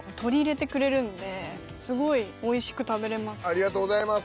ありがとうございます。